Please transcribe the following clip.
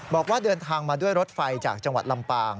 บอกว่าเดินทางมาด้วยรถไฟจากจังหวัดลำปาง